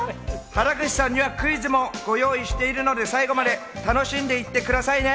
原口さんにはクイズもご用意しているので、最後まで楽しんでいってくださいね。